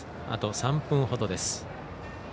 あと３分ほどです。